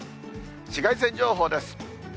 紫外線情報です。